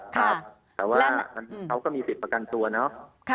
แต่ว่าเขาก็มีสิทธิ์ประกันตัวเนาะ